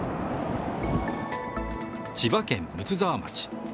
千葉県睦沢町。